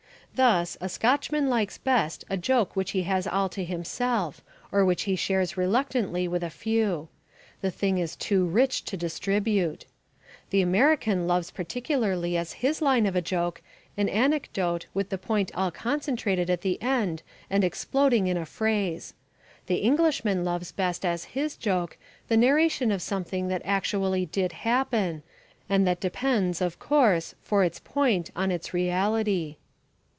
Thus, a Scotchman likes best a joke which he has all to himself or which he shares reluctantly with a few; the thing is too rich to distribute. The American loves particularly as his line of joke an anecdote with the point all concentrated at the end and exploding in a phrase. The Englishman loves best as his joke the narration of something that actually did happen and that depends, of course; for its point on its reality.